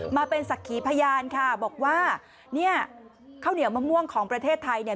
มาเป็นสักขีพยานค่ะบอกว่าข้าวเหนียวมะม่วงของประเทศไทย